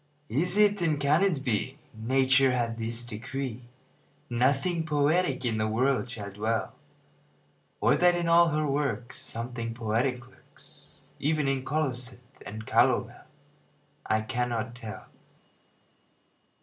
Is it, and can it be, Nature hath this decree, Nothing poetic in the world shall dwell? Or that in all her works Something poetic lurks, Even in colocynth and calomel? I cannot tell.